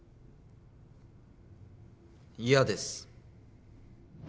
嫌です。